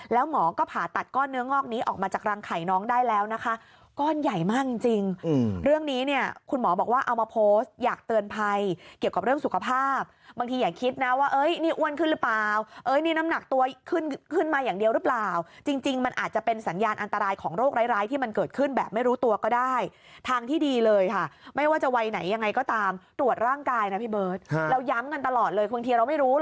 เรื่องนี้เนี่ยคุณหมอบอกว่าเอามาโพสต์อยากเตือนภัยเกี่ยวกับเรื่องสุขภาพบางทีอย่าคิดนะว่าเอ๊ยนี่อ้วนขึ้นหรือเปล่าเอ๊ยนี่น้ำหนักตัวขึ้นขึ้นมาอย่างเดียวหรือเปล่าจริงมันอาจจะเป็นสัญญาณอันตรายของโรคร้ายที่มันเกิดขึ้นแบบไม่รู้ตัวก็ได้ทางที่ดีเลยค่ะไม่ว่าจะวัยไหนยังไงก็ตาม